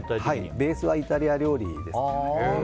ベースはイタリア料理です。